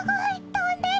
とんでる！